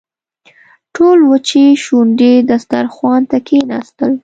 ټول وچې شونډې دسترخوان ته کښېناستل.